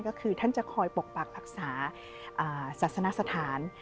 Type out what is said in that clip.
ก็คือท่านจะคอยปกปักรักษาศาสนสถาน